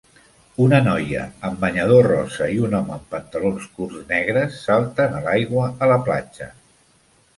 Una noia amb banyador rosa i un home amb pantalons curts negres salten a l'aigua a la platja.